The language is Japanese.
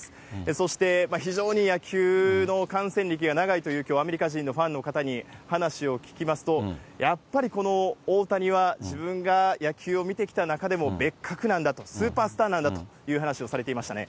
そして非常に野球の観戦歴が長いというアメリカ人のファンの方に話を聞きますと、やっぱりこの大谷は自分が野球を見てきた中でも別格なんだと、スーパースターなんだという話をされていましたね。